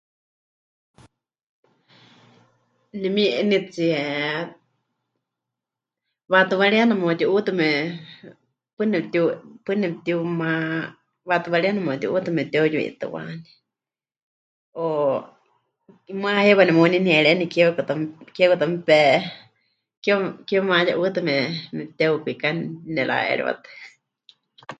Nemi'enitsíe wa'aátɨ wariena me'uti'uutɨ me... paɨ nepɨtiu... paɨ nepɨtiumá, wa'aátɨ wariena me'uti'uutɨ mepɨte'uyuitɨwani, o muuwa heiwa nemeuneniereni kiewa kutá, keewa kutá mepe... keewa, keewa mehaye'uutɨ me... mepɨte'ukwika nera'eriwatɨ.